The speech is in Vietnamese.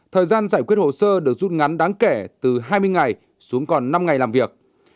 thời gian giải quyết hồ sơ được rút ngắn đáng kể từ hai mươi ngày xuống còn năm ngày làm việc